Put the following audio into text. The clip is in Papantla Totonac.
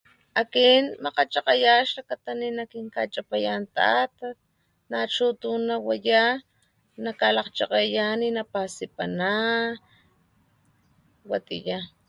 Akin makgachakgaya xlakata nina kinkachapayan tatat , nachu tuna waya nakalakgchakgeya xlakata nina pasipaya watiya